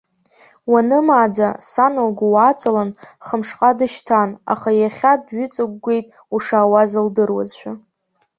Уанымааӡа, сан лгәы уааҵалан, хымшҟа дышьҭан, аха иахьа дҩыҵыгәгәеит, ушаауаз лдыруазшәа.